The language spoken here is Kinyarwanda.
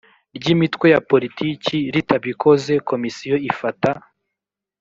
ry imitwe ya politiki ritabikoze komisiyo ifata